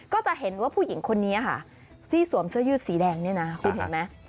ก็จะเห็นว่าผู้หญิงคนนี้ค่ะที่สวมเสื้อยืดสีแดงเนี่ยนะคุณเห็นไหม